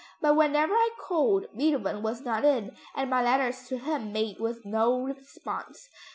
But whenever I called, Beethoven was not in, and my letters to him met with no response.